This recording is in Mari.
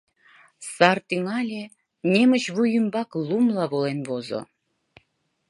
Сар тӱҥале, немыч вуй ӱмбак лумла волен возо...